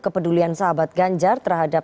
kepedulian sahabat ganjar terhadap